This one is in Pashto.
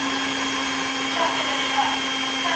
د بشر نېکمرغي په يووالي کي ده.